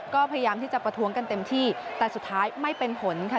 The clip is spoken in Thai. ก็พยายามที่จะประท้วงกันเต็มที่แต่สุดท้ายไม่เป็นผลค่ะ